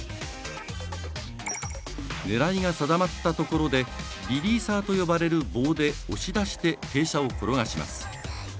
狙いが定まったところでリリーサーと呼ばれる棒で押し出して傾斜を転がします。